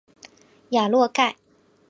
雅洛盖。